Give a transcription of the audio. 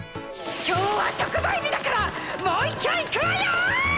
今日は特売日だからもう一軒行くわよー！